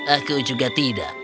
aku juga tidak